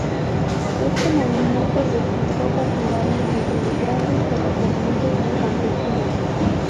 Este movimiento reclutó partidarios entre los grandes terratenientes y campesinos.